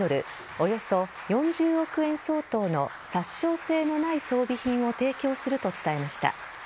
およそ４０億円相当の殺傷性のない装備品を提供すると伝えました。